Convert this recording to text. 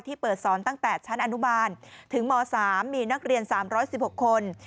เปิดสอนตั้งแต่ชั้นอนุบาลถึงม๓มีนักเรียน๓๑๖คน